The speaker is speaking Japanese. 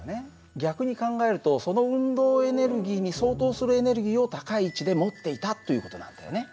逆に考えるとその運動エネルギーに相当するエネルギーを高い位置で持っていたという事なんだよね。